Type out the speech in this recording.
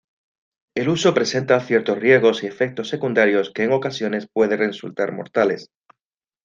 El uso presenta ciertos riesgos y efectos secundarios que en ocasiones pueden resultar mortales.